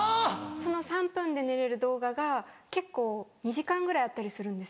その３分で寝れる動画が結構２時間ぐらいあったりするんです。